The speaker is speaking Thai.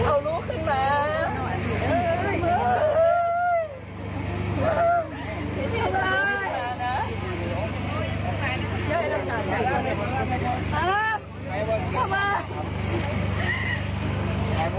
เอาลูกขึ้นมาพี่พีชเอาลูกขึ้นมา